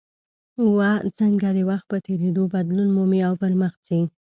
څنګه د وخت په تېرېدو بدلون مومي او پرمخ ځي.